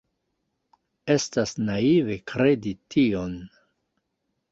Estas naive kredi tion.